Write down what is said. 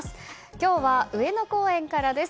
今日は上野公園からです。